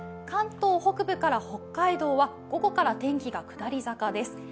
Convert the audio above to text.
関東北部から北海道は午後から天気が下り坂です。